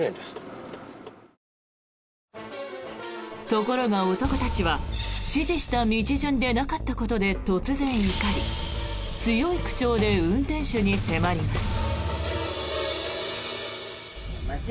ところが、男たちは指示した道順でなかったことで突然、怒り強い口調で運転手に迫ります。